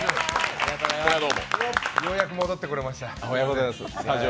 ようやく戻ってこれました。